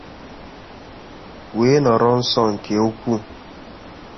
wee nọrọ nso nke ukwuu